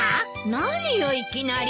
何よいきなり。